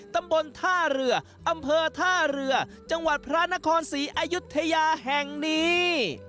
ตำบลท่าเรืออำเภอท่าเรือจังหวัดพระนครศรีอายุทยาแห่งนี้